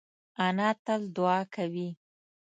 انا تل دعا کوي